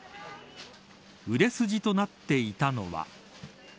売れ筋となっていたのは。